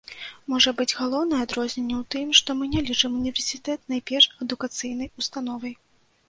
Можа быць, галоўнае адрозненне ў тым, што мы не лічым універсітэт найперш адукацыйнай установай.